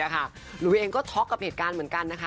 หนูเองก็ช็อกกับเหตุการณ์เหมือนกันนะคะ